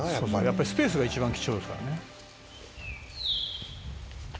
「やっぱりスペースが一番貴重ですからね」